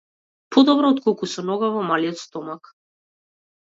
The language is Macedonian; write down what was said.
Подобро отколку со нога во малиот стомак.